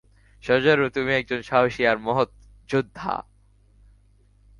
শজারু, তুমি একজন সাহসী আর মহৎ যোদ্ধা।